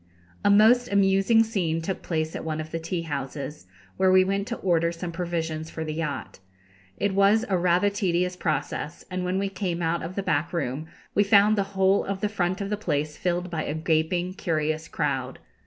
A most amusing scene took place at one of the tea houses, where we went to order some provisions for the yacht. It was rather a tedious process, and when we came out of the back room we found the whole of the front of the place filled by a gaping, curious crowd.